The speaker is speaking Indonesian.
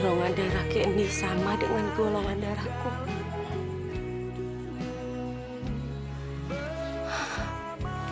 gulungan darah kendi sama dengan gulungan darahku